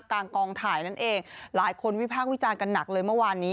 กองถ่ายนั่นเองหลายคนวิพากษ์วิจารณ์กันหนักเลยเมื่อวานนี้